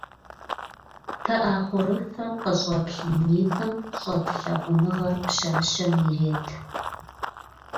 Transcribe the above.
Хорошая новость, однако, то, что сегодня все мы собрались здесь, чтобы исправить эту оплошность.